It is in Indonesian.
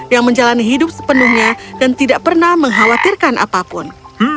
yang menjalani hidup sepenuhnya dan tidak pernah mengkhawatirkan apapun